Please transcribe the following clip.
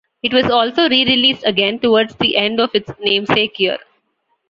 It was also re-released again towards the end of its namesake year.